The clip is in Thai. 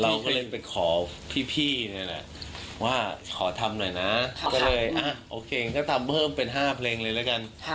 เราก็เลยไปขอพี่ว่าขอทำหน่อยนะก็เลยอ่ะโอเคก็ทำเพิ่มเป็น๕ปลิงเลยแล้วกัน